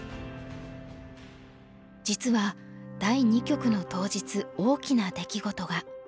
実は第２局の当日大きな出来事が。